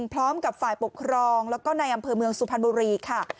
พร้อมกับฝ่ายปกครองแล้วก็ในอำเภอเมืองสุพรรณบุรีค่ะ